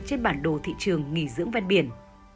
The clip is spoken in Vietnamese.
trên bản đồ thị trường nghỉ dưỡng ven biển